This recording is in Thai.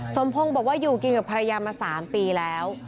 สมพงศ์บอกว่าอยู่กินกับภรรยามา๓ปีแล้ว